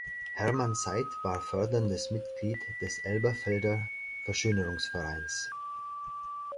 Hermann Seyd war förderndes Mitglied des „Elberfelder Verschönerungsvereins“.